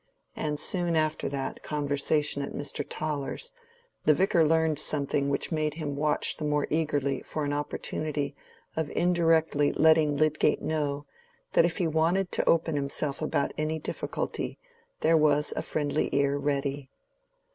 And soon after that conversation at Mr. Toller's, the Vicar learned something which made him watch the more eagerly for an opportunity of indirectly letting Lydgate know that if he wanted to open himself about any difficulty there was a friendly ear ready.